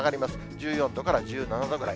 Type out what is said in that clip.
１４度から１７度ぐらい。